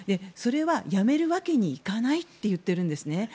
それはやめるわけにいかないと言ってるんですね。